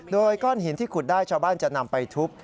โดยก้อนหินที่ขุดได้ชาวบ้านจะนำไปทุบ